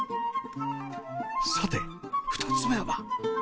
さて２つ目は？